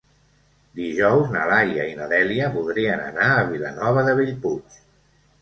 Dijous na Laia i na Dèlia voldrien anar a Vilanova de Bellpuig.